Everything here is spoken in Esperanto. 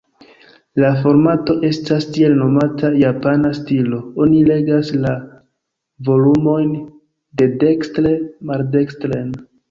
La formato estas tiel-nomata "Japana stilo"; oni legas la volumojn dedekstre-maldekstren.